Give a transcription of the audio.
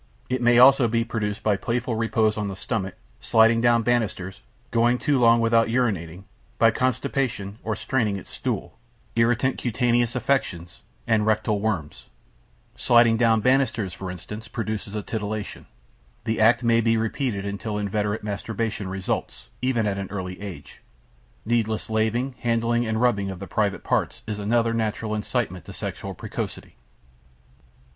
It may also be produced by playful repose on the stomach, sliding down banisters, going too long without urinating, by constipation or straining at stool, irritant cutaneous affections, and rectal worms. Sliding down banisters, for instance, produces a titillation. The act may be repeated until inveterate masturbation results, even at an early age. Needless laving, handling and rubbing of the private parts is another natural incitement to sexual precocity.